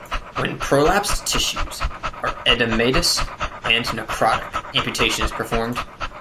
When prolapsed tissues are edematous and necrotic, amputation is performed.